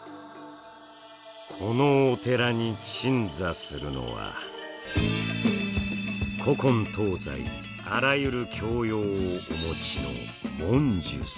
このお寺に鎮座するのは古今東西あらゆる教養をお持ちのモンジュ様。